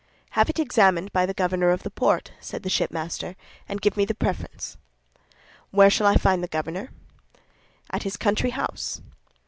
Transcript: "Have it examined by the governor of the port," said the shipmaster, "and give me the preference." "Where shall I find the governor?" "At his country house."